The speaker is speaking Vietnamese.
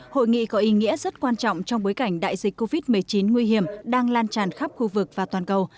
hội nghị có ý nghĩa rất quan trọng trong bối cảnh đại dịch covid một mươi chín nguy hiểm đang lan tràn khắp khu vực và toàn cầu